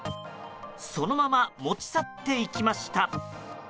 そのまま持ち去っていきました。